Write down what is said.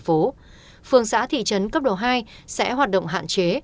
phố phường xã thị trấn cấp độ hai sẽ hoạt động hạn chế